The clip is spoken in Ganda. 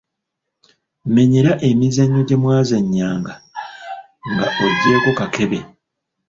Menyera emizannyo gye mwazannyanga nga oggyeeko kakebe.